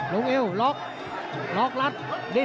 ลองเอวล็อกล็อกลัด